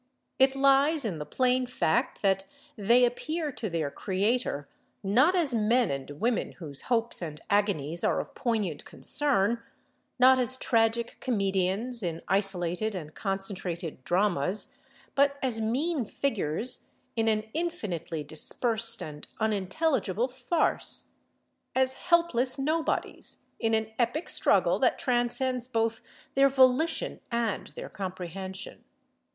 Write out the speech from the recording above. It lies in the plain fact that they appear to their creator, not as men and women whose hopes and agonies are of poignant concern, not as tragic comedians in isolated and concentrated dramas, but as mean figures in an infinitely dispersed and unintelligible farce, as helpless nobodies in an epic struggle that transcends both their volition and their comprehension.